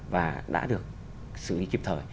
và đã được xử lý kịp thời